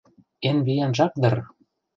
Эн виянжак дыр!